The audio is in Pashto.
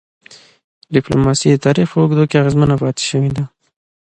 ډيپلوماسي د تاریخ په اوږدو کي اغېزمنه پاتې سوی ده.